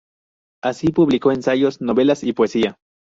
Así, publicó ensayos, novelas y poesía.